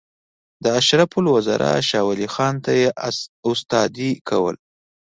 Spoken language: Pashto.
د اشرف الوزرا شاولي خان ته یې استادي کوله.